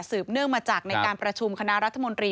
เนื่องมาจากในการประชุมคณะรัฐมนตรี